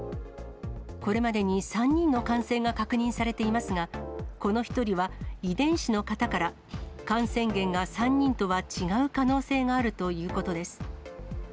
これまでに３人の感染が確認されていますが、この１人は、遺伝子の型から、感染源が３人とは違う可能性があるということです。